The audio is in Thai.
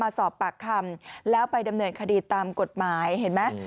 สอบปากคำแล้วไปดำเนินคดีตามกฎหมายเห็นไหม